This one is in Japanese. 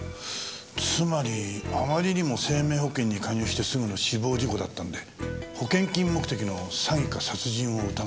つまりあまりにも生命保険に加入してすぐの死亡事故だったんで保険金目的の詐欺か殺人を疑った。